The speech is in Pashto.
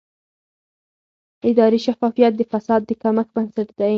اداري شفافیت د فساد د کمښت بنسټ دی